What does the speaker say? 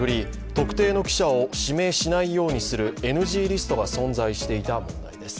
特定の記者を指名しないようにするＮＧリストが存在していた問題です。